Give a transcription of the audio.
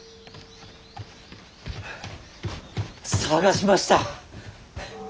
捜しました。